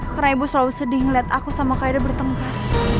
karena ibu selalu sedih ngeliat aku sama kaida bertengkar